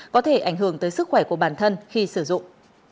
có thể ảnh hưởng tới sức khỏe của bản thân khi sử dụng